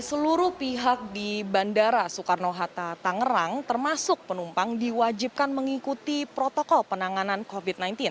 seluruh pihak di bandara soekarno hatta tangerang termasuk penumpang diwajibkan mengikuti protokol penanganan covid sembilan belas